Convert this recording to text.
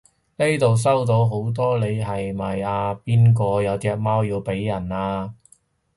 呢輪收到好多你係咪阿邊個有隻貓要俾人啊？